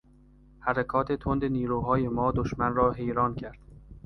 حرکات تند نیروهای ما دشمن را حیران کرد.